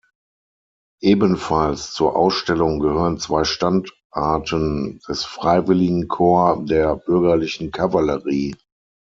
Ebenfalls zur Ausstellung gehören zwei Standarten des "Freiwilligenkorps der bürgerlichen Kavallerie".